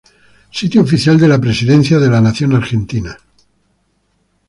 Sitio oficial de la Presidencia de la Nación Argentina